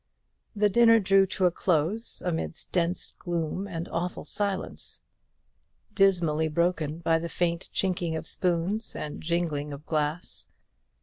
The dinner drew to a close amidst dense gloom and awful silence, dismally broken by the faint chinking of spoons and jingling of glass.